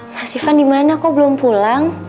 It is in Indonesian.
mas ivan di mana kau belum pulang